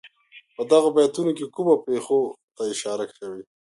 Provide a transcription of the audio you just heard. په دغو بیتونو کې کومو پېښو ته اشاره شوې.